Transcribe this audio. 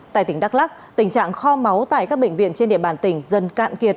tại tỉnh đắk lắc tình trạng kho máu tại các bệnh viện trên địa bàn tỉnh dần cạn kiệt